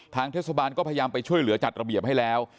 ทางเทศบาลก็พยายามไปช่วยเหลือจัดระเบียบให้แล้ว